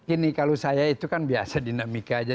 ini kalau saya itu kan biasa dinamika aja